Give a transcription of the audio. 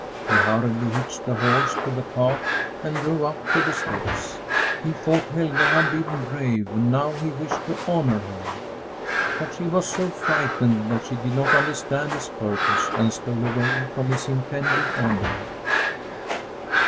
He hurriedly hitched the horse to the cart and drove up to the steps. He thought Helga had been brave, and now he wished to honor her. But she was so frightened that she did not understand his purpose, and stole away from his intended honor.